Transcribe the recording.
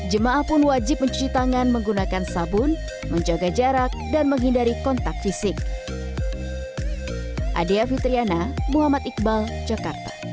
jemaah pun wajib mencuci tangan menggunakan sabun menjaga jarak dan menghindari kontak fisik